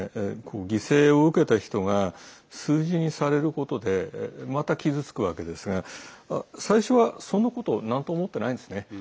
犠牲を受けた人が数字にされることでまた傷つくわけですが最初は、そのことをなんとも思ってないんですね。